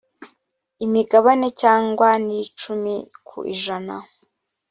imigabane cyangwa n icumi ku ijana